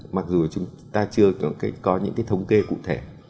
mặc dù chúng ta chưa có những cái thống kê cụ thể